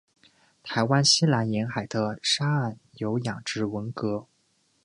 台湾西南沿海的沙岸有养殖文蛤。